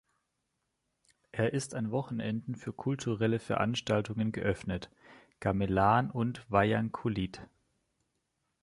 Er ist an Wochenenden für kulturelle Veranstaltungen geöffnet: Gamelan und Wayang Kulit.